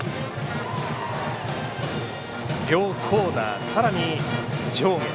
両コーナー、さらに上下。